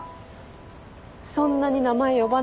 そんなに名前呼ばないでよ。